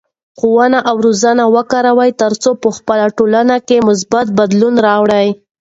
ښوونه او روزنه وکاروه ترڅو په خپله ټولنه کې مثبت بدلون راوړې.